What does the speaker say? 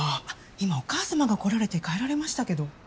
今お母さまが来られて帰られましたけど。